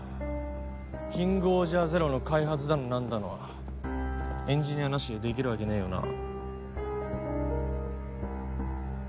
キングオージャーＺＥＲＯの開発だのなんだのエンジニアなしでできるわけねえよな？